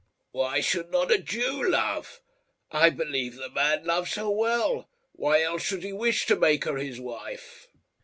"Why should not a Jew love? I believe the man loves her well. Why else should he wish to make her his wife?"